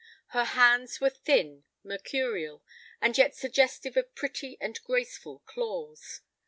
Her hands were thin, mercurial, and yet suggestive of pretty and graceful claws.